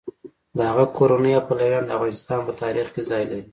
د هغه کورنۍ او پلویان د افغانستان په تاریخ کې ځای لري.